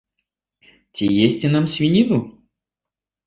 Ці есці нам свініну?